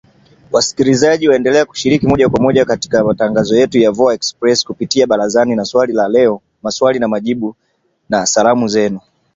Wasikilizaji waendelea kushiriki moja kwa moja hasa katika matangazo yetu ya VOA Express kupitia ‘Barazani’ na ‘Swali la Leo’, 'Maswali na Majibu', na 'Salamu Zenu'